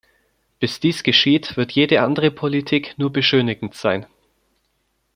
Bis dies geschieht, wird jede andere Politik nur beschönigend sein.